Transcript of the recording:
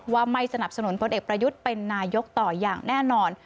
ว่าไม่สนับสนุนพลเอกประยุทธ์เป็นนายกต่ออย่างแน่นอน